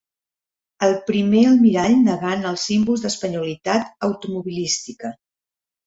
El primer almirall negant els símbols d'espanyolitat automobilística.